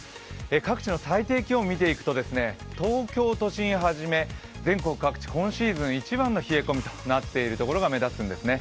各地の最低気温を見ていくと東京都心はじめ全国各地今シーズン一番の冷え込みになっている所が目立つんですね。